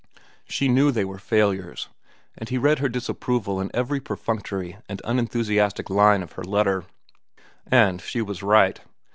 She knew they were failures, and he read her disapproval in every perfunctory and unenthusiastic line of her letter. And she was right.